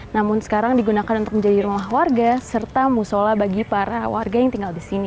namun sekarang digunakan menjadi rumah warga serta musola bagi para warga yang tinggal disini